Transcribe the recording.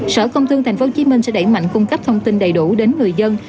sở công thương tp hcm sẽ đẩy mạnh cung cấp thông tin đầy đủ đến người dân